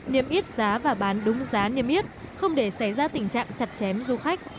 niêm yết giá và bán đúng giá niêm yết không để xảy ra tình trạng chặt chém du khách